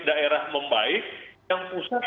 daerah membaik yang pusat